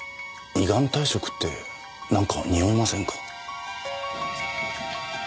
依願退職ってなんかにおいませんか？